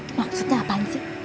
kamu maksudnya apaan sih